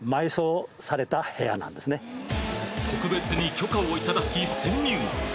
特別に許可をいただき潜入